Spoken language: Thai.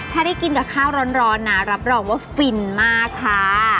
ถ้าได้กินกับข้าวร้อนนะรับรองว่าฟินมากค่ะ